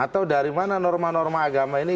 atau dari mana norma norma agama ini